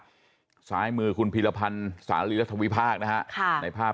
ซ้ายมือคุณพีรพันธ์สาลีรัฐวิพากษ์นะฮะค่ะในภาพ